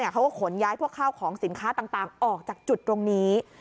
เขาก็ขนย้ายพวกข้าวของสินค้าต่างออกจากจุดตรงนี้